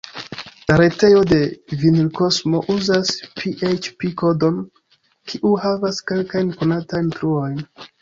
La retejo de Vinilkosmo uzas php-kodon, kiu havas kelkajn konatajn truojn.